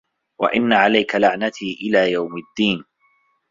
وَإِنَّ عَلَيكَ لَعنَتي إِلى يَومِ الدّينِ